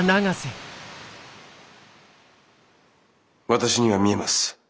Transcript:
私には見えます。